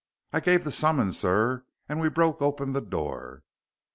I gave the summons, sir, and we broke open the door."